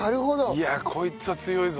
いやこいつは強いぞ。